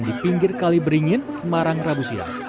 di pinggir kali beringin semarang rabusia